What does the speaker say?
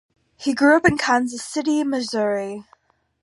He grew up in Kansas City, Missouri.